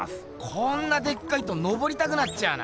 こんなでっかいとのぼりたくなっちゃうな。